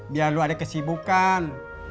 biar lo ada kesibukan